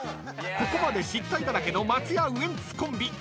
［ここまで失態だらけの松也・ウエンツコンビ］